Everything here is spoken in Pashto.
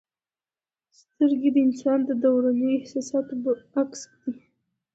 سترګې د انسان د دروني احساساتو عکس دی.